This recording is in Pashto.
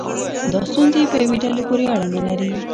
دا ستونزې په یوې ډلې پورې اړه نه لري.